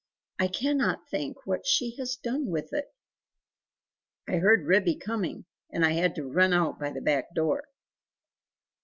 I cannot think what she has done with it? I heard Ribby coming and I had to run out by the back door!"